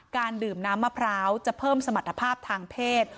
การดื่มน้ำมะพร้าวจะเพิ่มสมรรถภาพทางเพศ